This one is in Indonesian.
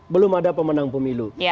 belum ada pemenang pemilu